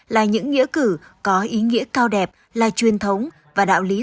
là những nghĩa cử có ý nghĩa cao đẹp là truyền thống và đạo lý sâu sắc của dân tộc việt nam